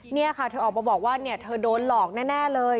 นี่ค่ะเขาออกมาบอกว่าเนี่ยเขาโดนหลอกแน่เลย